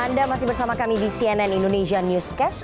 anda masih bersama kami di cnn indonesia newscast